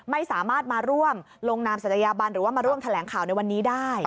ไม่สามารถมาร่วมลงนามศัตยาบันหรือว่ามาร่วมแถลงข่าวในวันนี้ได้